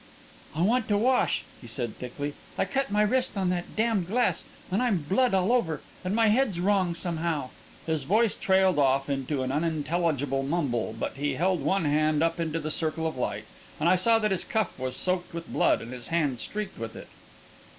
"I want to wash," he said, thickly. "I cut my wrist on that damned glass, and I'm blood all over, and my head's wrong, somehow." His voice trailed off into an unintelligible mumble, but he held one hand up into the circle of light, and I saw that his cuff was soaked with blood and his hand streaked with it.